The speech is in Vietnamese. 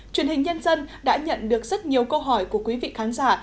truyền hình nhân dân đã nhận được rất nhiều câu hỏi của quý vị khán giả